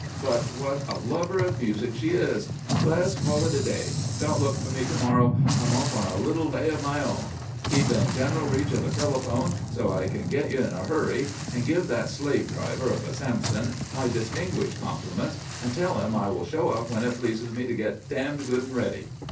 But what a lover of music she is! Let's call it a day. Don't look for me to morrow. I'm off on a little lay of my own. Keep in general reach of a telephone so I can get you in a hurry and give that slavedriver of a Sampson my distinguished compliments and tell him I will show up when it pleases me to get d good and ready."